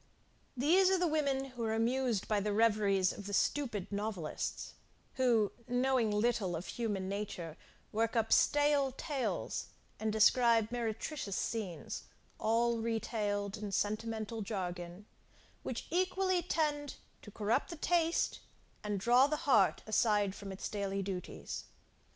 These are the women who are amused by the reveries of the stupid novelists, who, knowing little of human nature, work up stale tales, and describe meretricious scenes, all retailed in a sentimental jargon, which equally tend to corrupt the taste, and draw the heart aside from its daily duties.